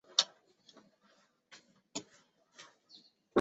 阿勒根氏是中国历史上女真族姓氏。